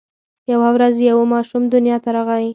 یوه ورځ یو ماشوم دنیا ته راغی.